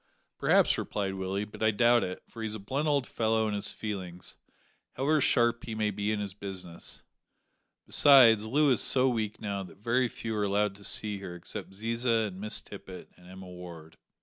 "Perhaps," replied Willie, "but I doubt it, for he's a blunt old fellow in his feelings, however sharp he may be in his business; besides, Loo is so weak now that very few are allowed to see her except Ziza, and Miss Tippet, and Emma Ward."